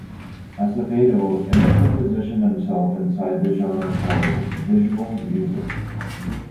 Acevedo initially positioned himself inside the genre called Visual Music.